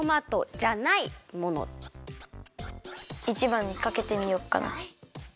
１ばんにかけてみよっかな。